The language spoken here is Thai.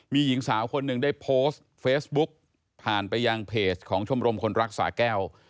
มีหญิงสาวคนหนึ่งได้โพสต์เฟซบุ๊กผ่านไปยังเพจของชมรมคนรักสาแก้ว